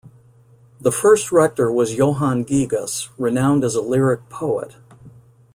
The first rector was Johann Gigas, renowned as a lyric poet.